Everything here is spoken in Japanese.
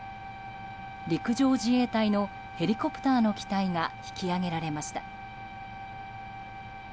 陸上自衛隊のヘリコプターの機体が引き揚げられました。